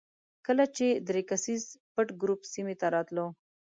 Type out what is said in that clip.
کله چې درې کسیز پټ ګروپ سیمې ته راتلو.